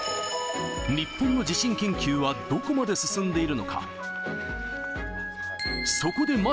日本の地震研究はどこまで進んでいるのか。